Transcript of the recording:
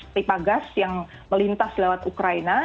pipa gas yang melintas lewat ukraina